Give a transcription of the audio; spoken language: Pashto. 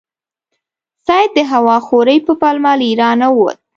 سید د هوا خورۍ په پلمه له ایرانه ووت.